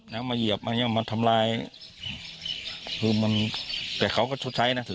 แล้วมาเยียบมะย่ำมาทำลายคือมันแต่เขาก็ชดใช้น่ะ